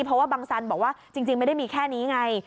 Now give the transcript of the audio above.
เพราะว่าบังสันบอกว่าจริงไม่ได้มีแค่นี้ไง